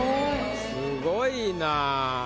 すごいな。